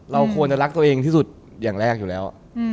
เราควรจะรักตัวเองที่สุดอย่างแรกอยู่แล้ว